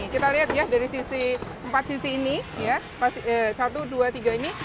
kita lihat ya dari sisi empat sisi ini satu dua tiga ini